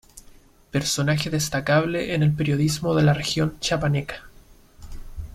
Personaje destacable en el periodismo de la región chiapaneca.